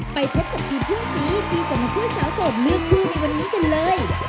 ไปพบกับทีมเพื่อนสีที่กำลังช่วยสาวโสดเลือกคู่ในวันนี้กันเลย